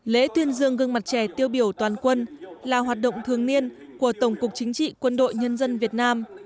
lễ tuyên dương gương mặt trẻ tiêu biểu toàn quân là hoạt động thường niên của tổng cục chính trị quân đội nhân dân việt nam